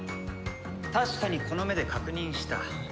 確かにこの目で確認した。